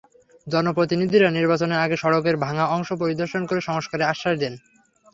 জনপ্রতিনিধিরা নির্বাচনের আগে সড়কের ভাঙা অংশ পরিদর্শন করে সংস্কারের আশ্বাস দেন।